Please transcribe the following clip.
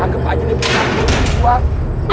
anggap aja ini bu